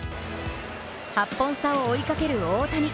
８本差を追いかける大谷